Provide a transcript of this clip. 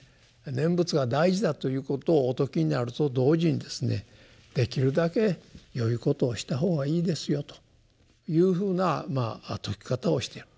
念仏が大事だということをお説きになると同時にですねできるだけよいことをしたほうがいいですよというふうな説き方をしてる。